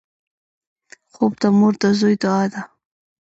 خوب د مور د زوی دعا ده